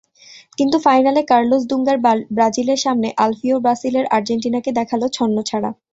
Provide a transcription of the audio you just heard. কিন্তু ফাইনালে কার্লোস দুঙ্গার ব্রাজিলের সামনে আলফিও বাসিলের আর্জেন্টিনাকে দেখাল ছন্নছাড়া।